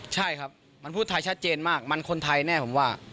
ใช่ครับมันพูดไทยชัดเจนมากมันคนไทยแน่ผมว่า